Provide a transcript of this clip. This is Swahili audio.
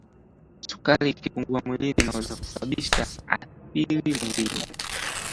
sukari ikipungua mwilini inaweza kusababisha athiri mwilini